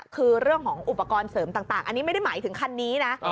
คือเรื่องของอุปกรณ์เสริมต่างอันนี้ไม่ได้หมายถึงคันนี้นะ